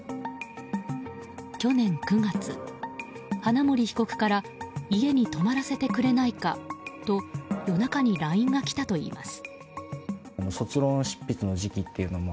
去年９月、花森被告から家に泊まらせてくれないかと夜中にＬＩＮＥが来たといいます。